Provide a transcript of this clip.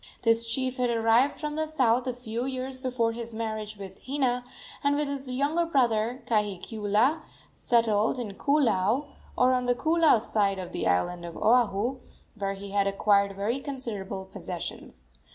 This chief had arrived from the south a few years before his marriage with Hina, and, with his younger brother, Kahikiula, settled in Koolau, or on the Koolau side of the island of Oahu, where he had acquired very considerable possessions.